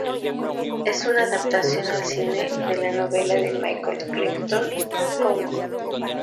Es una adaptación al cine de la novela de Michael Crichton, "Congo".